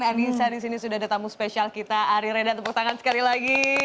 arissa disini sudah ada tamu spesial kita ari reda tepuk tangan sekali lagi